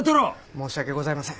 申し訳ございません。